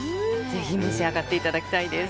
ぜひ召し上がっていただきたいです。